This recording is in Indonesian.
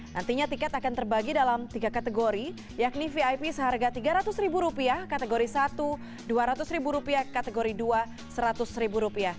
nantinya tiket akan terbagi dalam tiga kategori yakni vip seharga rp tiga ratus kategori rp satu rp dua ratus kategori dua rp seratus